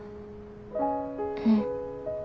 うん。